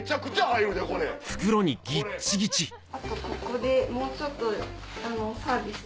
あとここでもうちょっとサービス。